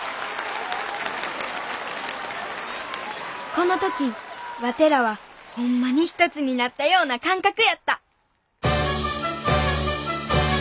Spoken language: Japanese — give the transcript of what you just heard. この時ワテらはホンマに一つになったような感覚やった！